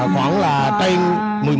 khoảng là trên